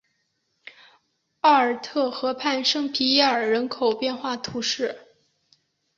奥尔特河畔圣皮耶尔人口变化图示